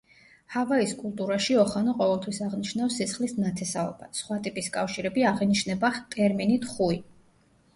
ჰავაის კულტურაში ოხანა ყოველთვის აღნიშნავს სისხლით ნათესაობას, სხვა ტიპის კავშირები აღინიშნება ტერმინით „ხუი“.